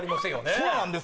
そうなんです